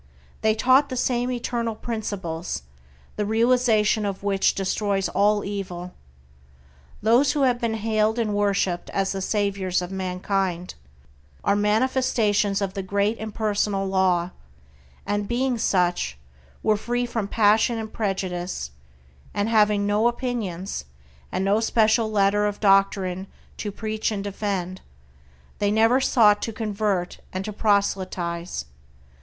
They taught the same eternal Principles, the realization of which destroys all evil. Those who have been hailed and worshiped as the saviors of mankind are manifestations of the Great impersonal Law, and being such, were free from passion and prejudice, and having no opinions, and no special letter of doctrine to preach and defend, they never sought to convert and to proselytize.